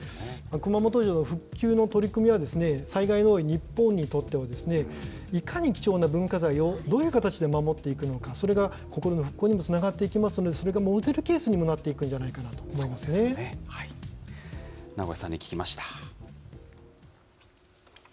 熊本城復旧の取り組みは、災害の多い日本にとっては、いかに貴重な文化財をどういう形で守っていくのか、それが心の復興にもつながっていきますので、それのモデルケースにもなっていくんじ名越さんに聞きました。